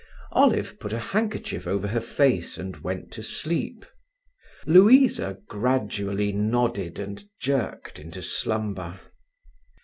Olive put a handkerchief over her face and went to sleep. Louisa gradually nodded and jerked into slumber.